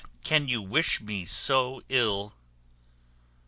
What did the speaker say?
Can you wish me so ill?"